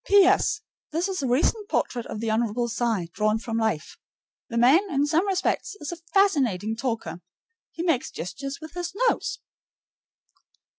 P.S. This is a recent portrait of the Hon. Cy drawn from life. The man, in some respects, is a fascinating talker; he makes gestures with his nose.